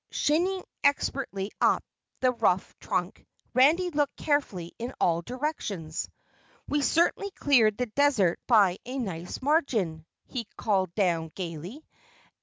Shinning expertly up the rough trunk, Randy looked carefully in all directions. "We certainly cleared the desert by a nice margin," he called down gaily.